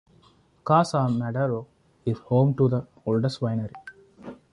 Casa Madero is home to the oldest winery.